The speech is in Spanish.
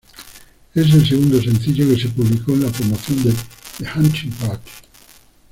Es el segundo sencillo que se público en la promoción de "The Hunting Party".